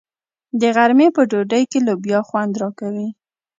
د غرمې په ډوډۍ کې لوبیا خوند راکوي.